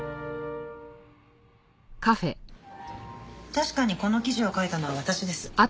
確かにこの記事を書いたのは私です。